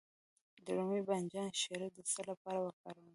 د رومي بانجان شیره د څه لپاره وکاروم؟